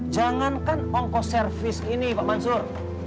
jangankan ongkos servis ini pak mansur